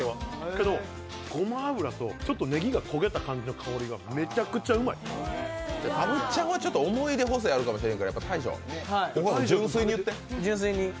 けど、ごま油とちょっとねぎが焦げた感じの香りがたぶっちゃんはちょっと思い出補正があるかもしれんから大昇、純粋に言って。